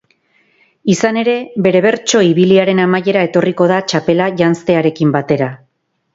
Izan ere, bere bertso ibiliaren amaiera etorriko da txapela janztearekin batera.